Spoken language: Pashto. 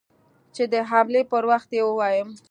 چې د حملې پر وخت يې ووايم.